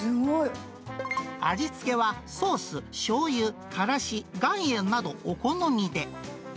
味付けはソース、しょうゆ、からし、岩塩などお好みで。